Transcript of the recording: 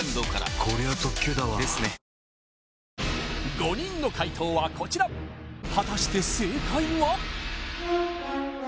５人の解答はこちら果たして正解は？